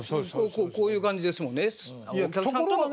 こういう感じですもんね。